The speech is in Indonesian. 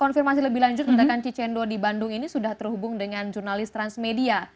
konfirmasi lebih lanjut ledakan cicendo di bandung ini sudah terhubung dengan jurnalis transmedia